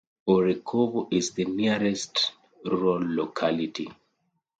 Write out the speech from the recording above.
Orekhovo is the nearest rural locality.